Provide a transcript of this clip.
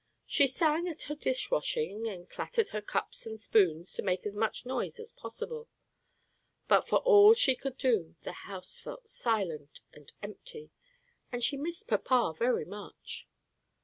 She sang at her dish washing and clattered her cups and spoons, to make as much noise as possible; but for all she could do, the house felt silent and empty, and she missed papa very much.